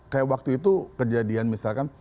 kayak waktu itu kejadian misalkan